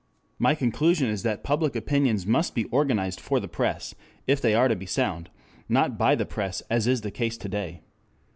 My conclusion is that public opinions must be organized for the press if they are to be sound, not by the press as is the case today.